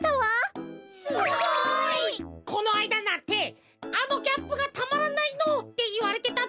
すごい！このあいだなんて「あのギャップがたまらないの」っていわれてたぜ。